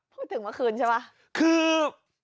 พูดถึงเมื่อคืนใช่ไหมคือ